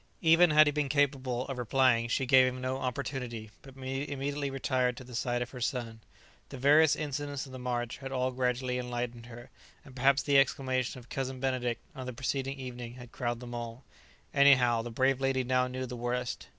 Even had he been capable of replying, she gave him no opportunity, but immediately retired to the side of her son. The various incidents of the march had all gradually enlightened her, and perhaps the exclamation of Cousin Benedict on the preceding evening had crowned them all; anyhow the brave lady now knew the worst.